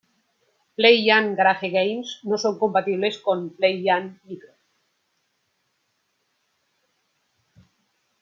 Play-Yan Garage Games no son compatibles con Play-Yan Micro.